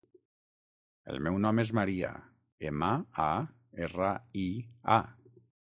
El meu nom és Maria: ema, a, erra, i, a.